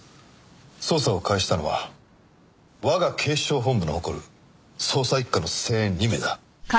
捜査を開始したのは我が警視庁本部の誇る捜査一課の精鋭２名だ。